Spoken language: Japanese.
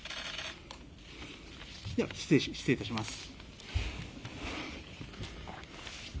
では、失礼いたします。